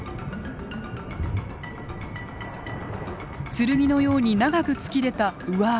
剣のように長く突き出た上顎。